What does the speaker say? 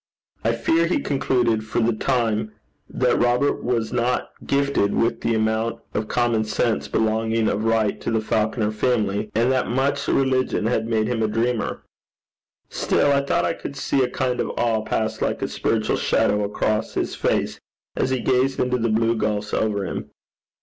I fear he concluded, for the time, that Robert was not gifted with the amount of common sense belonging of right to the Falconer family, and that much religion had made him a dreamer. Still, I thought I could see a kind of awe pass like a spiritual shadow across his face as he gazed into the blue gulfs over him.